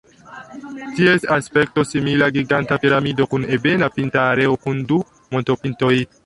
Ties aspekto simila giganta piramido kun ebena pinta areo kun du montopintoj.